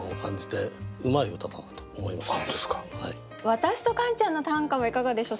私とカンちゃんの短歌はいかがでしょう？